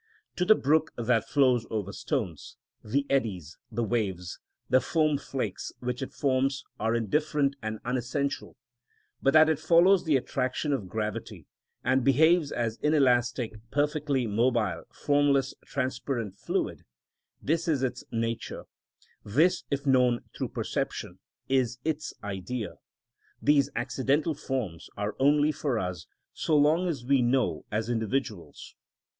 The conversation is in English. To the brook that flows over stones, the eddies, the waves, the foam flakes which it forms are indifferent and unessential; but that it follows the attraction of gravity, and behaves as inelastic, perfectly mobile, formless, transparent fluid: this is its nature; this, if known through perception, is its Idea; these accidental forms are only for us so long as we know as individuals.